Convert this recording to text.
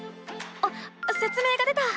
あっせつ明が出た！